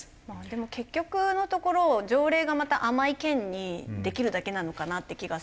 でも結局のところ条例がまた甘い県にできるだけなのかなって気がしますよね